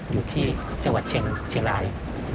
อยู่ที่เจ้าประเทศเชียงลาย